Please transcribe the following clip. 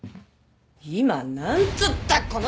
今なんつったこの。